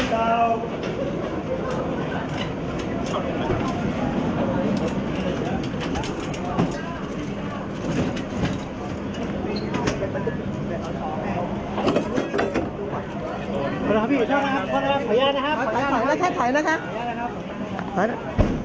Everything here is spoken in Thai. สวัสดีครับสวัสดีครับ